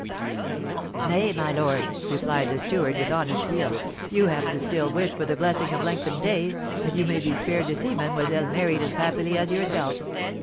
"Nay, my lord," replied the steward, with honest zeal, "you have still to wish for the blessing of lengthened days, that you may be spared to see mademoiselle married as happily as yourself.